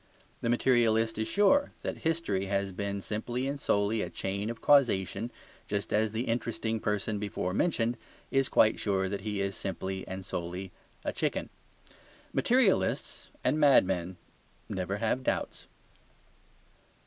The materialist is sure that history has been simply and solely a chain of causation, just as the interesting person before mentioned is quite sure that he is simply and solely a chicken. Materialists and madmen never have doubts.